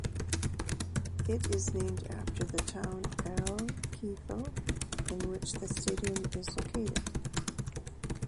It is named after the town Al Kifl in which the stadium is located.